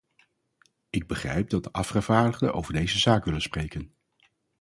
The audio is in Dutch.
Ik begrijp dat de afgevaardigden over deze zaak willen spreken.